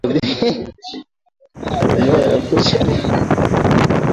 Manyonya ya pushi inaletaka kikoozi